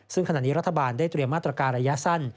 ซึ่งขณะนี้รัฐบาลได้เตรียมมาตรการระยะสั้น